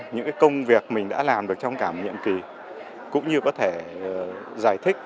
những công việc mình đã làm trong cả một nhiệm kỳ